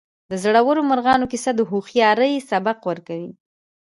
د زړورو مارغانو کیسه د هوښیارۍ سبق ورکوي.